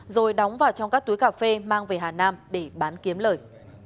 rồi đóng vào trong các túi cà phê mang về hà nam để bán kiếm lời